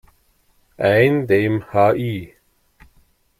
Ein dem Hl.